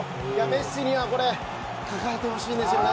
メッシには抱えてほしいんですよね。